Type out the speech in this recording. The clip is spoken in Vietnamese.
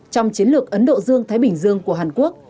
trong chiến lược ấn độ dương thái bình dương của hàn quốc